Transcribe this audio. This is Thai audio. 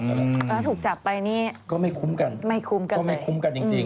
ถ้าถูกจับไปนี่ก็ไม่คุ้มกันไม่คุ้มกันจริง